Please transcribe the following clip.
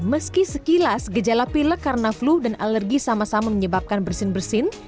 meski sekilas gejala pilek karena flu dan alergi sama sama menyebabkan bersin bersin